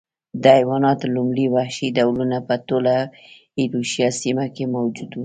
د حیواناتو لومړي وحشي ډولونه په ټوله ایرویشیا سیمه کې موجود و